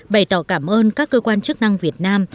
bày tỏ cảm ơn các cơ quan chức năng việt nam